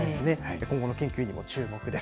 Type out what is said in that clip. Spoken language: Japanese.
今後の研究にも注目です。